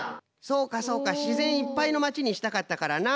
そうかそうか自然いっぱいの町にしたかったからな。